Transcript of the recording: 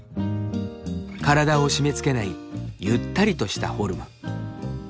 体を締めつけないゆったりとしたフォルム。